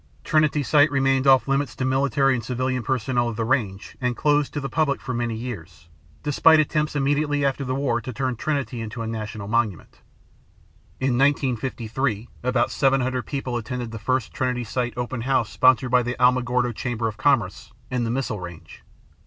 Trinity site remained off limits to military and civilian personnel of the range and closed to the public for many years, despite attempts immediately after the war to turn Trinity into a national monument. In 1953 about 700 people attended the first Trinity Site open house sponsored by the Alamogordo Chamber of Commerce and the Missile Range.